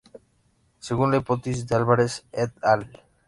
Según la hipótesis de Álvarez et al.